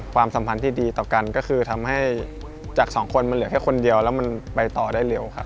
ความสัมพันธ์ที่ดีต่อกันก็คือทำให้จากสองคนมันเหลือแค่คนเดียวแล้วมันไปต่อได้เร็วครับ